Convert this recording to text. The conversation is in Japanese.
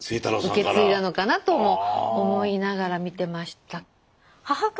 受け継いだのかなとも思いながら見てましたけど。